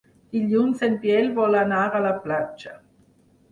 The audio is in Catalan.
Dilluns en Biel vol anar a la platja.